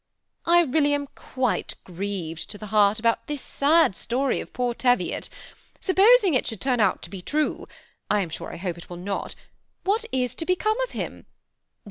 ^I really am quite grieved to the heart about this sad story of poor Teviot. Supposing it should turn out to be true, — I am sure I hope it will not, — what is to become of him